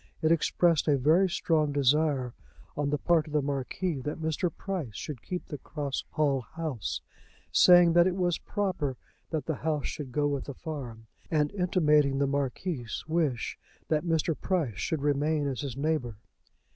It expressed a very strong desire on the part of the Marquis that Mr. Price should keep the Cross Hall House, saying that it was proper that the house should go with the farm, and intimating the Marquis's wish that Mr. Price should remain as his neighbour.